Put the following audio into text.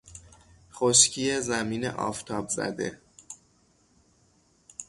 خشکی زمین آفتاب زده